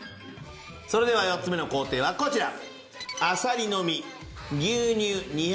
それでは４つ目の工程はこちら。